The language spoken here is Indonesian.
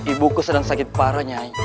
ibuku sedang sakit parah nyai